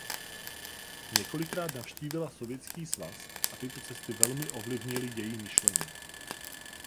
Několikrát navštívila Sovětský svaz a tyto cesty velmi ovlivnily její myšlení.